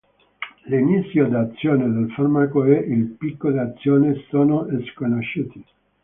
L'inizio d'azione del farmaco e il picco d'azione sono sconosciuti.